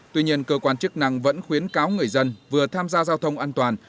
tuy nhiên cơ quan chức năng vẫn khuyến cáo người dân vừa tham gia giao thông an toàn